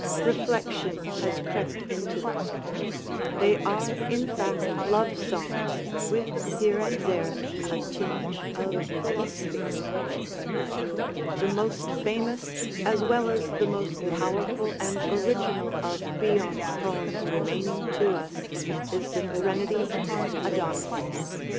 Reflection has crept into them; they are in fact love songs, with here and there a tinge of philosophy, The most famous as well as the most powerful and original of Bion's poems remaining to us is the threnody upon Adonis.